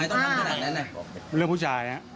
ทำไมต้องทำขนาดนั้นเรื่องผู้ชาย